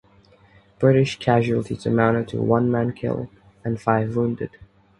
British casualties amounted to one man killed and five wounded.